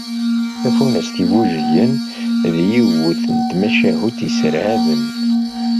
tafunast igujilen d yiwet n tmacahut isserhaben